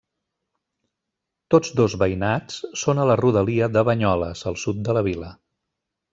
Tots dos veïnats són a la rodalia de Banyoles, al sud de la vila.